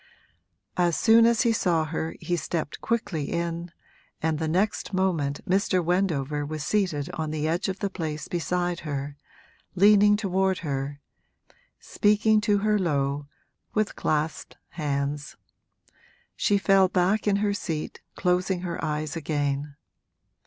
As soon as he saw her he stepped quickly in, and the next moment Mr. Wendover was seated on the edge of the place beside her, leaning toward her, speaking to her low, with clasped hands. She fell back in her seat, closing her eyes again.